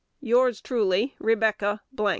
Yours, truly, Rebecca